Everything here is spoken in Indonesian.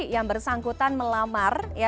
yang bersangkutan melamar ya